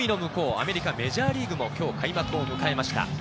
アメリカ・メジャーリーグも今日開幕を迎えました。